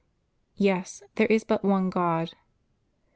Yes; there is but one God.